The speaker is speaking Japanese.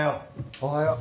おはよう。